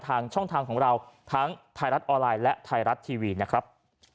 ทางช่องทางของเราทั้งไทยรัฐออนไลน์และไทยรัฐทีวีนะครับ